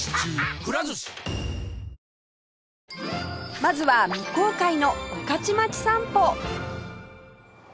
まずは未公開の御徒町散歩